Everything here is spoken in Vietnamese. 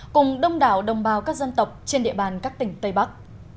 cùng đông đảo đồng bào các dân tộc trên địa bàn các tỉnh tây bắc